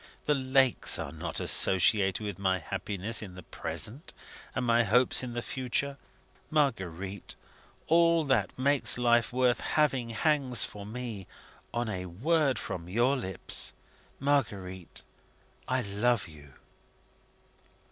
The lakes are not associated with my happiness in the present, and my hopes in the future. Marguerite! all that makes life worth having hangs, for me, on a word from your lips. Marguerite! I love you!"